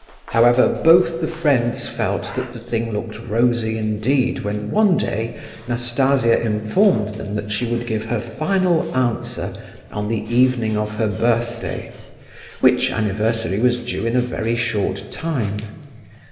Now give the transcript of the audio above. However, both the friends felt that the thing looked rosy indeed when one day Nastasia informed them that she would give her final answer on the evening of her birthday, which anniversary was due in a very short time.